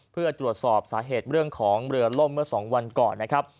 เพื่อตรวจสอบสาเหตุเรื่องของเรือล่มเมื่อ๒วันก่อนนะครับ